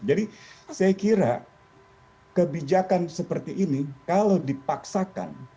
jadi saya kira kebijakan seperti ini kalau dipaksakan